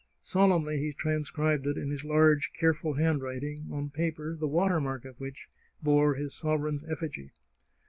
Solemnly he transcribed it in his large, care ful handwriting, on paper the watermark of which bore his sovereign's effigy.